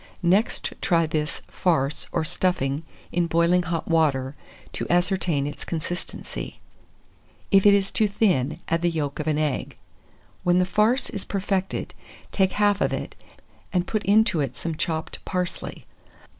Next try this farce or stuffing in boiling hot water, to ascertain its consistency: if it is too thin, add the yolk of an egg. When the farce is perfected, take half of it, and put into it some chopped parsley.